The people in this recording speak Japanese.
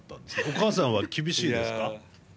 お母さんは厳しいですか？